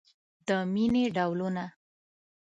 د مینې ډولونه